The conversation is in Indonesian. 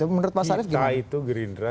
menurut pak sarif gimana kita itu gerindra